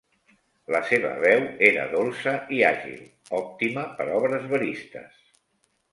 La seva veu era dolça i àgil, òptima per obres veristes.